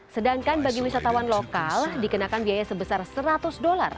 sedangkan bagi wisatawan lokal dikenakan biaya sebesar seratus dolar